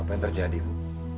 apa yang terjadi bu